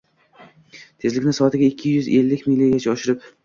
Tezlikni soatiga ikki yuz ellik milgacha oshirib